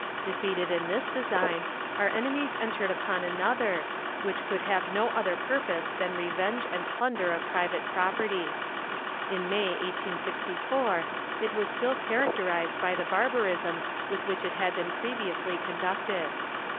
Defeated in this design, our enemies entered upon another, which could have no other purpose than revenge and plunder of private property. In May, 1864, it was still characterized by the barbarism with which it had been previously conducted.